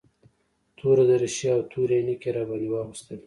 توره دريشي او تورې عينکې يې راباندې واغوستلې.